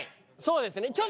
そうですね。